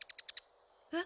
えっ？